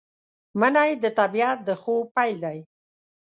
منی د طبیعت د خوب پیل دی